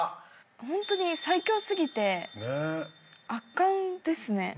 ホントに最強すぎて圧巻ですね。